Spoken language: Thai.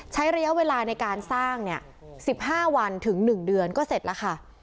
ใช้ระยะเวลาในการสร้างเนี่ยสิบห้าวันถึงหนึ่งเดือนก็เสร็จแล้วค่ะ